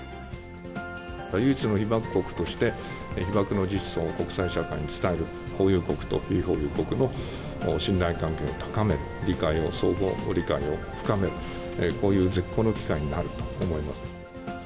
唯一の被爆国として、被爆の実相を国際社会に伝えると、保有国と非保有国の信頼関係を高める、理解を、相互理解を深める、こういう絶好の機会になると思います。